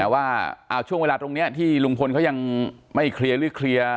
ว่าช่วงเวลาตรงนี้ที่ลุงพลเขายังไม่เคลียร์หรือเคลียร์